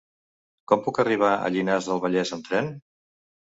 Com puc arribar a Llinars del Vallès amb tren?